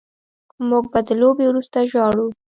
موږ به د لوبې وروسته ژاړو